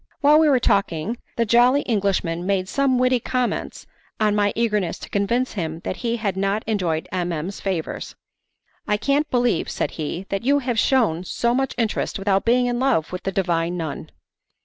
While we were talking, the jolly Englishman made some witty comments on my eagerness to convince him that he had not enjoyed M. M.'s favours. "I can't believe," said he, "that you have shewn so much interest without being in love with the divine nun."